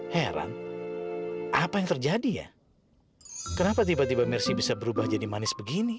heran apa yang terjadi ya kenapa tiba tiba mersi bisa berubah jadi manis begini